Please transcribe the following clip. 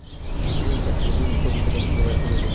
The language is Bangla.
চাচা, সৌদি থেকে ভাইয়ার ফোন এসেছে।